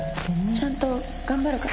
ちゃんと頑張るから